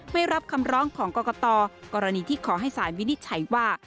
ไม่รับคำร้องของกรกตกรณีที่ขอให้สารวินิจฉัยว่า